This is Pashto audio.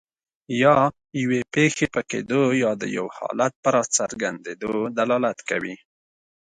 یا یوې پېښې په کیدو یا د یو حالت په راڅرګندیدو دلالت کوي.